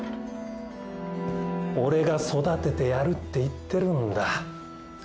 俺が育ててやるって言ってるんだ。